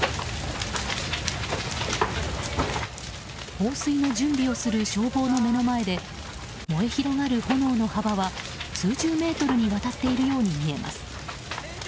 放水の準備をする消防の目の前で燃え広がる炎の幅は数十メートルにわたっているように見えます。